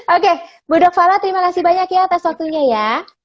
oke bu dok fala terima kasih banyak ya atas waktunya ya